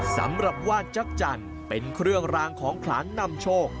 สำหรับว่านจักจันทร์เป็นเครื่องรางของขลานนำโชค